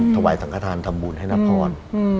ถวัยสังฆาธารทำบุญให้นพร